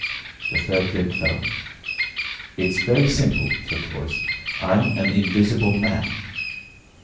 The third flint fell. "It's very simple," said the Voice. "I'm an invisible man."